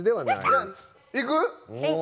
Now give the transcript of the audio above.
いく？